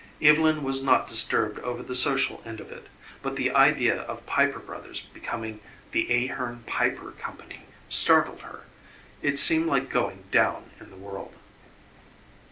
Evylyn was not disturbed over the social end of it but the idea of "Piper Brothers" becoming "The Ahearn, Piper Company" startled her. It seemed like going down in the world.